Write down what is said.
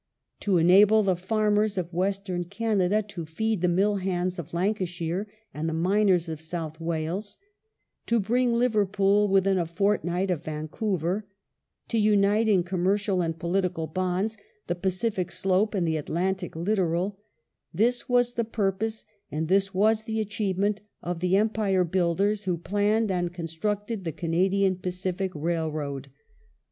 To enable the farmers of Western Canada to feed the mill hands of Lancashire and the miners of South Wales ; to bring Liverpool within a fortnight of Vancouver ; to unite in commercial and political bonds the Pacific slope and the Atlantic littoral — this was the purpose and this was the achievement of the Empire builders who planned and constructed the Canadian Pacific Rail road.